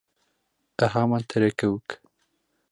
Ә һаман тере кеүек.